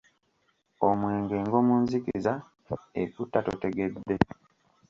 Omwenge ngo mu nzikiza ekutta totegedde.